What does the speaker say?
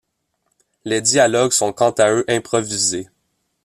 Les dialogues sont quant à eux improvisés.